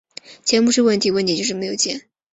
钱不是问题，问题就是没有钱